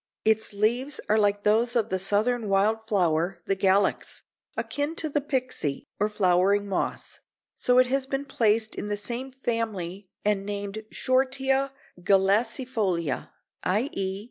Its leaves are like those of the southern wild flower, the Galax, akin to the Pyxie or flowering moss, so it has been placed in the same family and named Shortia galacifolia, i. e.